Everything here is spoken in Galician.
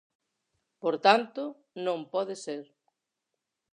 Por tanto, non pode ser.